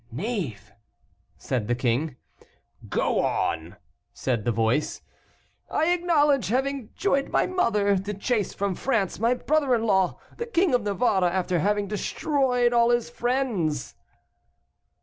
"Knave!" said the king. "Go on," said the voice. "I acknowledge having joined my mother, to chase from France my brother in law, the King of Navarre, after having destroyed all his friends."